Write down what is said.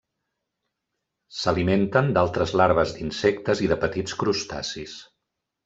S'alimenten d'altres larves d'insectes i de petits crustacis.